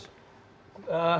kata kuncinya itu ada